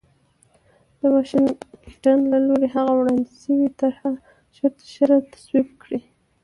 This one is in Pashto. د واشنګټن له لوري هغه وړاندې شوې طرح ژرترژره تصویب کړي